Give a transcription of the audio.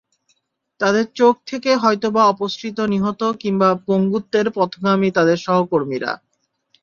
তাঁদের চোখ থেকে হয়তোবা অপসৃত নিহত কিংবা পঙ্গুত্বের পথগামী তাঁদের সহকর্মীরা।